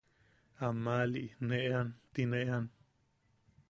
Ammaʼali ne ean ti ne ean.